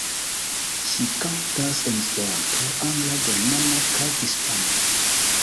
Ŝi kantas en esperanto, angla, germana kaj hispana.